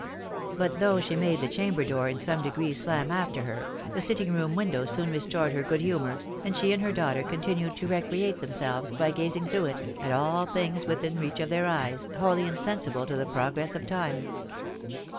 But though she made the chamber door in some degree slam after her, the sitting room window soon restored her good humour, and she and her daughter continued to recreate themselves by gazing through it, at all things within reach of their eyes, wholly in sensible to the progress of time.